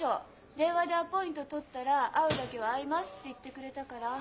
電話でアポイント取ったら「会うだけは会います」って言ってくれたから。